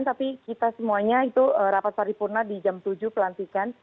jadi kita semuanya itu rapat paripurna di jam tujuh pelantikan